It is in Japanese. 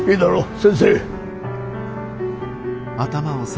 先生。